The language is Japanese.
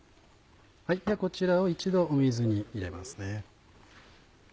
ではこちらを一度水に入れます。